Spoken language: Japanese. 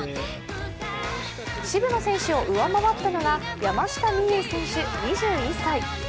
渋野選手を上回ったのが山下美夢有選手２１歳。